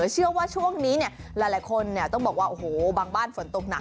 เชื่อว่าช่วงนี้หลายคนต้องบอกว่าโอ้โหบางบ้านฝนตกหนัก